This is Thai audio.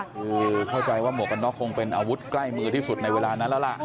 คือเข้าใจว่าหมวกกันน็อกคงเป็นอาวุธใกล้มือที่สุดในเวลานั้นแล้วล่ะ